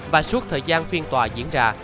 và suốt thời gian phiên tòa diễn ra